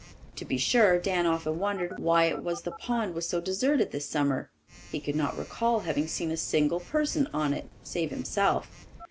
To be sure, Dan often wondered why it was the pond was so deserted this summer. He could not recall having seen a single person on it save himself.